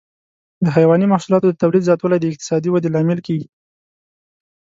د حيواني محصولاتو د تولید زیاتوالی د اقتصادي ودې لامل کېږي.